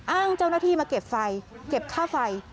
อ้างเจ้าหน้าที่มาเก็บไฟเก็บค่าไฟ